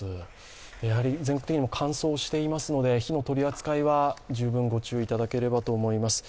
全国的にも乾燥していますので、火の取り扱いは十分ご注意いただければと思います。